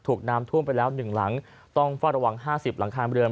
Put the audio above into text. ถูกน้ำท่วมไปแล้ว๑หลังต้องเฝ้าระวัง๕๐หลังคาเรือน